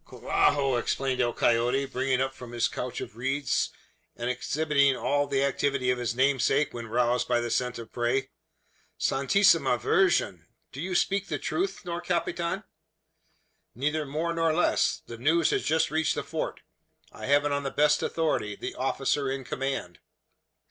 "Carajo!" exclaimed El Coyote, springing up from his couch of reeds, and exhibiting all the activity of his namesake, when roused by the scent of prey. "Santissima Virgen! Do you speak the truth, nor capitan?" "Neither more nor less. The news has just reached the Fort. I have it on the best authority the officer in command."